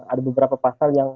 ada beberapa pasal yang